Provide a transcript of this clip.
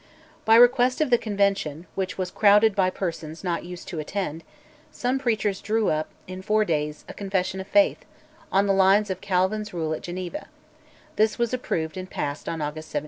By request of the Convention (which was crowded by persons not used to attend), some preachers drew up, in four days, a Confession of Faith, on the lines of Calvin's rule at Geneva: this was approved and passed on August 17.